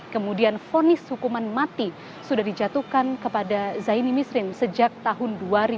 kemudian fonis hukuman mati sudah dijatuhkan kepada zaini misrin sejak tahun dua ribu